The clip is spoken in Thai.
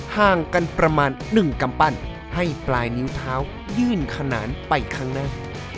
ห่างกันประมาณ๑กำปั้นให้ปลายนิ้วเท้ายื่นขนานไปข้างหน้า